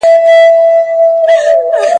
په نامه د قاتلانو زړه ښاد نه كړي ,